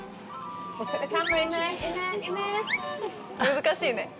難しいね。